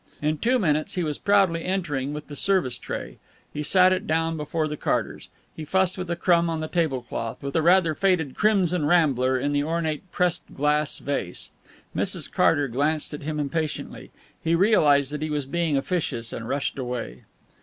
In two minutes he was proudly entering with the service tray. He set it down before the Carters; he fussed with a crumb on the table cloth, with the rather faded crimson rambler in the ornate pressed glass vase. Mrs. Carter glanced at him impatiently. He realized that he was being officious, and rushed away.